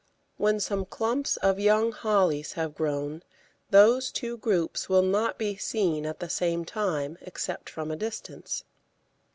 When some clumps of young hollies have grown, those two groups will not be seen at the same time, except from a distance.